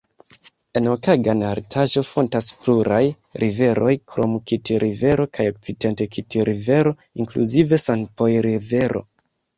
En Okanagan-Altaĵo fontas pluraj riveroj krom Kitl-Rivero kaj Okcident-Kitl-Rivero, inkluzive Sanpojl-Rivero.